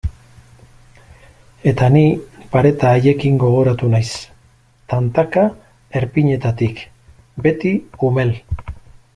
Eta ni pareta haiekin gogoratu naiz, tantaka erpinetatik, beti umel.